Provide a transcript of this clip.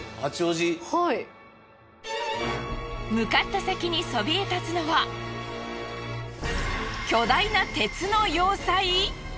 向かった先にそびえたつのは巨大な鉄の要塞！？